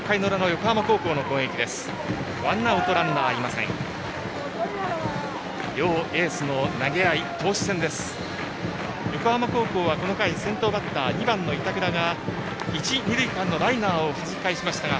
横浜高校はこの回、先頭バッター２番の板倉が一、二塁間のライナーをはじき返しましたが